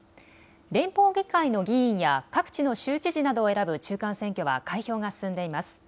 連邦議会の議員や各地の州知事などを選ぶ中間選挙は開票が進んでいます。